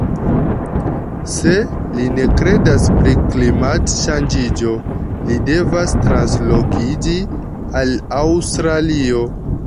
Se li ne kredas pri klimat-ŝanĝiĝo li devas translokiĝi al Aŭstralio